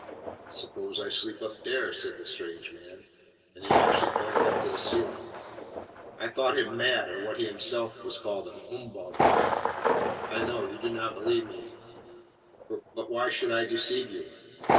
"Suppose I sleep up dere?" said this strange man, and he actually pointed up to the ceiling. I thought him mad or what he himself called "an ombog." "I know. You do not believe me; for why should I deceive you?